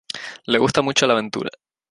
Le gusta mucho la aventura.